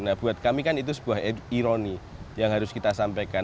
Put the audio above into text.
nah buat kami kan itu sebuah ironi yang harus kita sampaikan